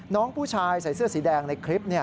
น้องผู้ชายใส่เสื้อสีแดงในคลิป